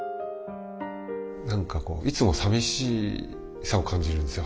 何かこういつも寂しさを感じるんですよ